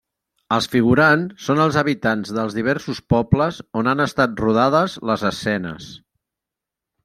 Els figurants són els habitants dels diversos pobles on han estat rodades les escenes.